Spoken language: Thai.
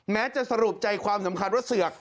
แม้จะสรุปใจความสำคัญว่าเสือก